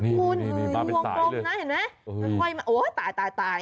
นี่นี่นี่นี่บ้านเป็นสายเลยเห็นไหมมันไหวมาโอ้ยตายตายตาย